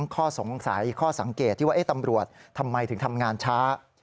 ข้อสงสัยข้อสังเกตที่ว่าตำรวจทำไมถึงทำงานช้า